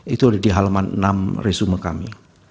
itu ada di halaman enam resume kami